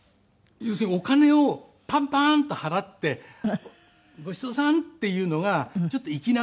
要するにお金をパンパンと払って「ごちそうさん」っていうのがちょっと粋な感じですよね。